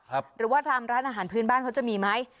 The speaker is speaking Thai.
หรือว่าทางร้านอาหารพื้นบ้านเขาจะมีไหม